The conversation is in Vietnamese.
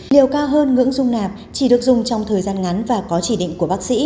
liệu cao hơn ngưỡng dung nạp chỉ được dùng trong thời gian ngắn và có chỉ định của bác sĩ